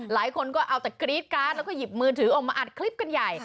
หลายคนก็เอาแต่กรี๊ดการ์ดแล้วก็หยิบมือถือออกมาอัดคลิปกันใหญ่